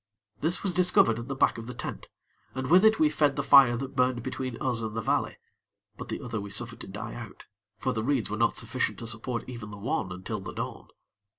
This was discovered at the back of the tent, and with it we fed the fire that burned between us and the valley; but the other we suffered to die out, for the reeds were not sufficient to support even the one until the dawn.